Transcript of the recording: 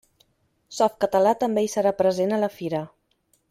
Softcatalà també hi serà present a la fira.